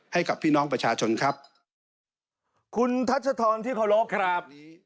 ให้กับพี่น้องประชาชนครับคุณทัชธรที่เคารพครับ